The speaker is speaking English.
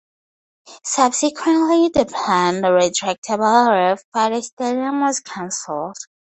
Subsequently, the planned retractable roof for the stadium was canceled.